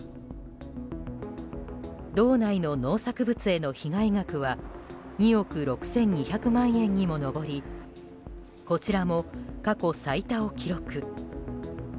道内の農作物への被害額は２億６２００万円にも上りこちらも過去最多を記録。